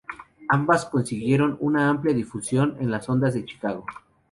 Ambas consiguieron una amplia difusión en las ondas de Chicago.